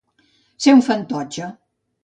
Ser un fantotxe.